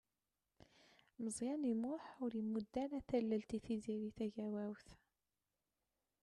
Meẓyan U Muḥ ur imudd ara tallelt i Tiziri Tagawawt.